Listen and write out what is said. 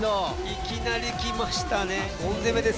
いきなり来ましたね。